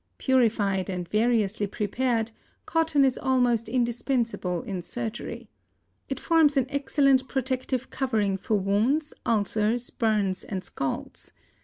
Purified and variously prepared, cotton is almost indispensable in surgery. It forms an excellent protective covering for wounds, ulcers, burns and scalds.